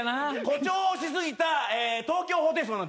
誇張し過ぎた東京ホテイソン。